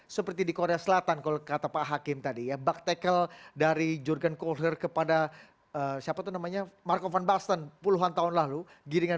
seperti di korea selatan kalau kata pak hakim tadi ya